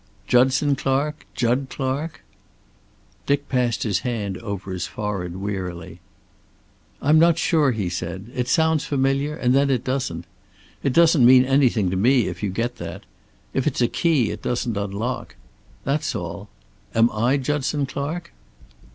"Judson Clark? Jud Clark?" Dick passed his hand over his forehead wearily. "I'm not sure," he said. "It sounds familiar, and then it doesn't. It doesn't mean anything to me, if you get that. If it's a key, it doesn't unlock. That's all. Am I Judson Clark?"